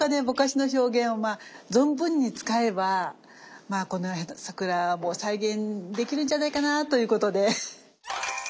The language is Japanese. ぼかしの表現を存分に使えばまあこの桜も再現できるんじゃないかなということで。